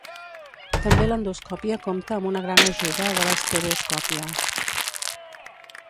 També l'endoscòpia compta amb una gran ajuda de l'estereoscòpia.